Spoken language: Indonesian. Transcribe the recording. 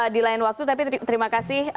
di lain waktu tapi terima kasih